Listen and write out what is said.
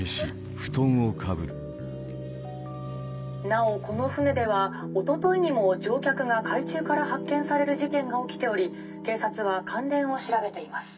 なおこの船では一昨日にも乗客が海中から発見される事件が起きており警察は関連を調べています。